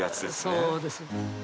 そうです。